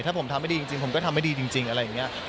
ถ้าผมทำไม่ดีจริงผมก็ทำให้ดีจริงอะไรอย่างนี้